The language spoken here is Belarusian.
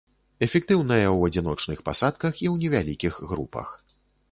Эфектыўная ў адзіночных пасадках і ў невялікіх групах.